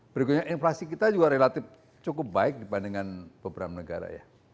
berikutnya inflasi kita juga relatif cukup baik dibandingkan beberapa negara ya